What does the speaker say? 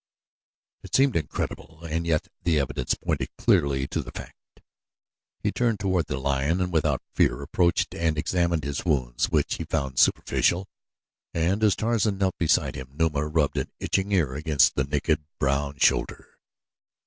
It seemed incredible and yet the evidence pointed clearly to the fact. He turned toward the lion and without fear approached and examined his wounds which he found superficial, and as Tarzan knelt beside him Numa rubbed an itching ear against the naked, brown shoulder.